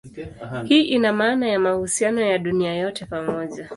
Hii ina maana ya mahusiano ya dunia yote pamoja.